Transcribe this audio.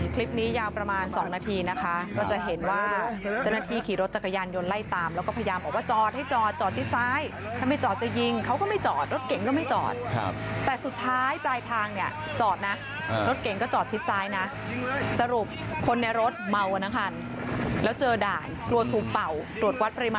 คลิปนี้ยาวประมาณ๒นาทีนะคะก็จะเห็นว่าเจ้าหน้าที่ขี่รถจักรยานยนต์ไล่ตามแล้วก็พยายามบอกว่าจอดให้จอดจอดชิดซ้ายถ้าไม่จอดจะยิงเขาก็ไม่จอดรถเก่งก็ไม่จอดแต่สุดท้ายปลายทางเนี่ยจอดนะรถเก่งก็จอดชิดซ้ายนะสรุปคนในรถเมากันทั้งคันแล้วเจอด่านกลัวถูกเป่าตรวจวัดปริมาณ